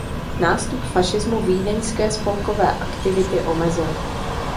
Nástup fašismu vídeňské spolkové aktivity omezil.